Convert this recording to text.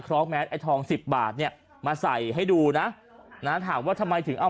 ล้อแมสไอ้ทองสิบบาทเนี่ยมาใส่ให้ดูนะนะถามว่าทำไมถึงเอา